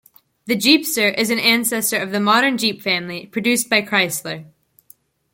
The Jeepster is an ancestor of the modern Jeep family produced by Chrysler.